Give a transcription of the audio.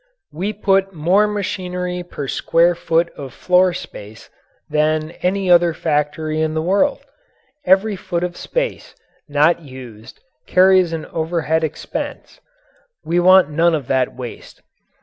We put more machinery per square foot of floor space than any other factory in the world every foot of space not used carries an overhead expense. We want none of that waste.